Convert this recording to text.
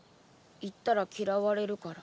言ったら嫌われるから。